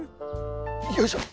よいしょ！